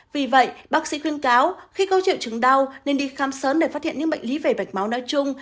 vì vậy bác sĩ khuyên cáo khi có triệu chứng đau nên đi khám sớm để phát hiện những bệnh lý về mạch máu nói chung